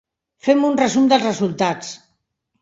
Fem un resum dels resultats.